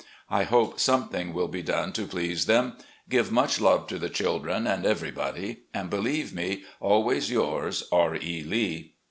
I hope something will be done to please them. Give much love to the children and everybody, and believe me "Always yours, "R. E. Lee."